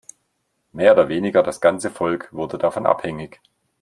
Mehr oder weniger das ganze Volk wurde davon abhängig.